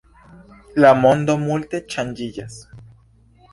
La mondo multe ŝanĝiĝas.